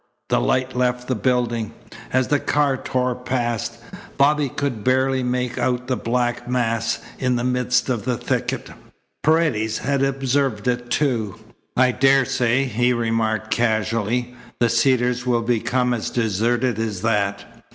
The light left the building. As the car tore past, Bobby could barely make out the black mass in the midst of the thicket. Paredes had observed it, too. "I daresay," he remarked casually, "the Cedars will become as deserted as that.